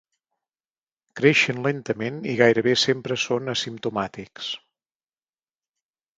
Creixen lentament i gairebé sempre són asimptomàtics.